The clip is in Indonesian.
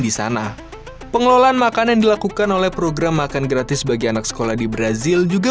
di sana pengelolaan makanan yang dilakukan oleh program makan gratis bagi anak sekolah di brazil juga